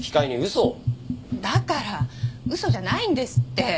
だから嘘じゃないんですって。